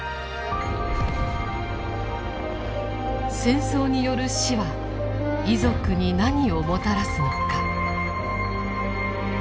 「戦争による死」は遺族に何をもたらすのか。